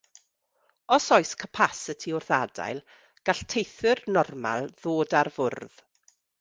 Os oes capasiti wrth adael, gall teithwyr "normal" ddod ar fwrdd.